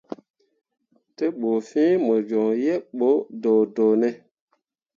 Te ɓu fiŋ mo coŋ yebɓo doodoone ?